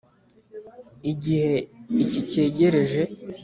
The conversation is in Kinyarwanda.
Igihe icyi cyegereje